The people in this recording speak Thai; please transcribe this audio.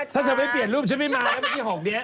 ถ้าฉันไม่เปลี่ยนรูปฉันไม่มาหรือไม่มีหกเนี้ย